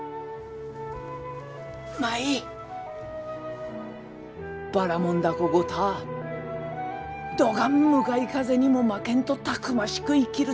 舞ばらもん凧ごたぁどがん向かい風にも負けんとたくましく生きるとぞ。